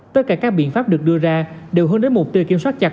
tất cả các biện pháp được đưa ra đều hướng đến mục tiêu kiểm soát chặt chẽ